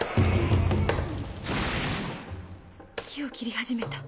木を切り始めた。